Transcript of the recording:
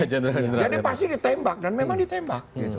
jadi pasti ditembak dan memang ditembak